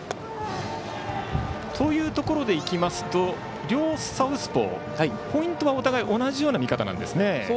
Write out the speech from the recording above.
というところでいくと両サウスポーポイントはお互い同じような見方なんですね。